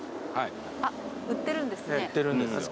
あっ売ってるんですね。